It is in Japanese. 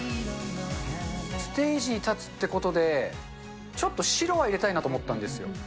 ステージに立つってことで、ちょっと白は入れたいなと思ったんですよ。